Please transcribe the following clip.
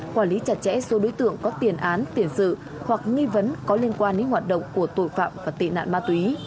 quản lý chặt chẽ số đối tượng có tiền án tiền sự hoặc nghi vấn có liên quan đến hoạt động của tội phạm và tị nạn ma túy